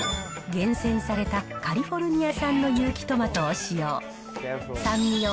厳選されたカリフォルニア産の有機トマトを使用。